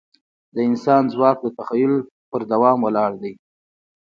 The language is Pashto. د انسان ځواک د تخیل په دوام ولاړ دی.